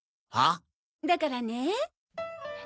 だからね。